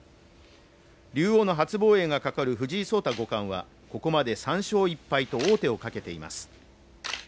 竜王の初防衛がかかる藤井聡太五冠はここまで３勝１敗と王手をかけています。